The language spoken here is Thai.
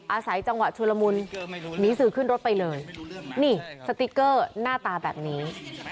อาศัยจังหวะชุลมุนหนีสื่อขึ้นรถไปเลยนี่สติ๊กเกอร์หน้าตาแบบนี้